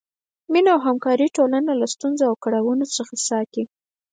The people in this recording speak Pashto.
مینه او همکاري ټولنه له ستونزو او کړاوونو څخه ساتي.